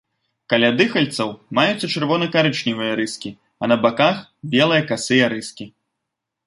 Каля дыхальцаў маюцца чырвона-карычневыя рыскі, а на баках белыя касыя рыскі.